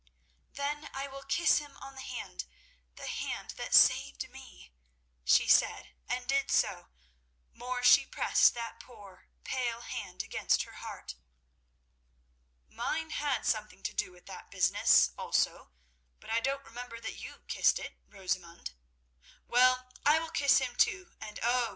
"Then I will kiss him on the hand—the hand that saved me," she said, and did so. More, she pressed that poor, pale hand against her heart. "Mine had something to do with that business also but I don't remember that you kissed it, Rosamund. Well, I will kiss him too, and oh!